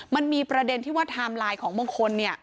มันมีประเด็นที่ว่าไทม์ไลน์ของบางคน